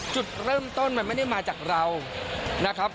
จุดเริ่มต้นมันไม่ได้มาจากเรานะครับ